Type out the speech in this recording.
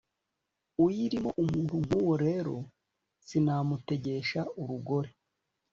uyirimo umuntu nkuwo rero sinamutegesha urugori